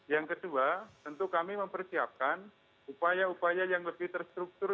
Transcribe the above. yang kedua tentu kami mempersiapkan upaya upaya yang lebih terstruktur